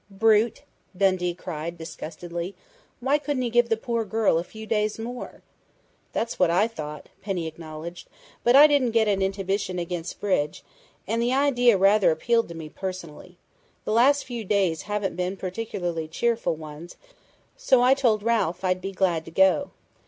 "Brute!" Dundee cried disgustedly. "Why couldn't he give the poor girl a few days more?" "That's what I thought," Penny acknowledged. "But I didn't get an inhibition against bridge, and the idea rather appealed to me personally. The last few days haven't been particularly cheerful ones, so I told Ralph I'd be glad to go.